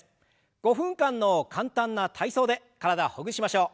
５分間の簡単な体操で体をほぐしましょう。